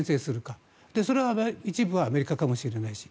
それは一部はアメリカかもしれないし。